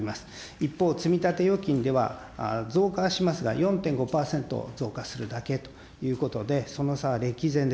一方、積み立て預金では、増加しますが４．５％増加するだけということで、その差は歴然で